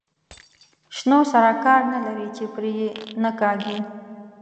شنو سره کار نه لري چې پرې یې نه کاږي.